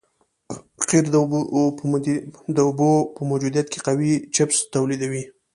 قیر د اوبو په موجودیت کې قوي چسپش تولیدوي